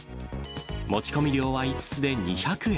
持ち込み料は５つで２００円。